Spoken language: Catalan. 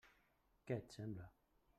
Què et sembla?